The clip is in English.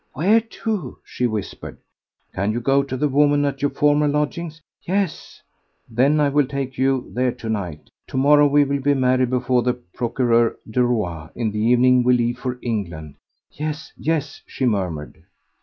"Where to?" she whispered. "Can you go to the woman at your former lodgings?" "Yes!" "Then I will take you there to night. To morrow we will be married before the Procureur du Roi; in the evening we leave for England." "Yes, yes!" she murmured.